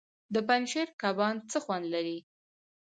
د پنجشیر کبان څه خوند لري؟